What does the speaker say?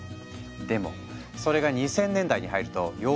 でもそれが２０００年代に入ると様相を変える。